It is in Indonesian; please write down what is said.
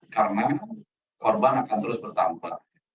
karena korban ini akan terjadi